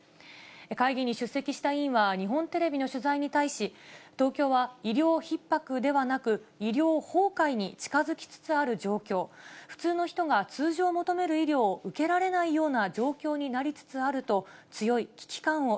会議に出席した委員は、日本テレビの取材に対し、東京は医療ひっ迫ではなく、医療崩壊に近づきつつある状況、普通の人が通常求める医療を受けられないような状況になりつつあ